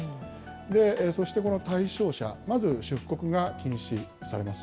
そしてこの対象者、まず出国が禁止されます。